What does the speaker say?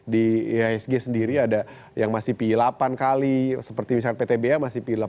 di ihsg sendiri ada yang masih pi delapan kali seperti misalkan pt ba masih pi delapan kali